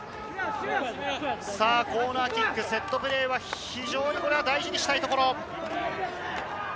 コーナーキック、セットプレーは非常に大事にしたいところ。